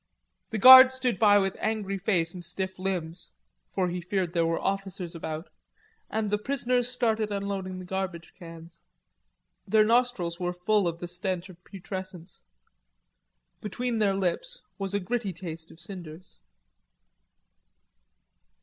The guard stood by with angry face and stiff limbs; for he feared there were officers about, and the prisoners started unloading the garbage cans; their nostrils were full of the stench of putrescence; between their lips was a gritty taste of cinders.